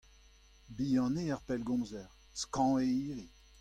Bihan eo ar pellgomzer, skañv eo ivez.